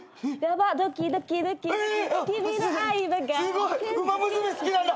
すごい！『ウマ娘』好きなんだ！